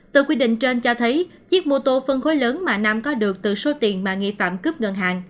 từ quy định trên cho thấy chiếc mô tô phân khối lớn mà nam có được từ số tiền mà nghi phạm cướp ngân hàng